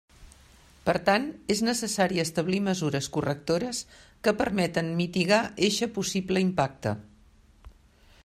Per tant, és necessari establir mesures correctores que permeten mitigar eixe possible impacte.